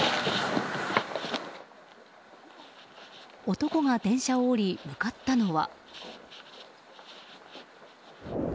男が電車を降り、向かったのは。